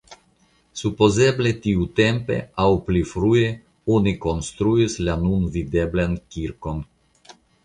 Supozeble tiutempe aŭ pli frue oni konstruis la nun videblan kirkon.